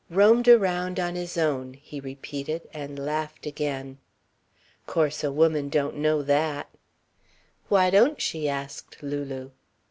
"Roamed around on his own," he repeated, and laughed again. "Course a woman don't know that." "Why don't she?" asked Lulu.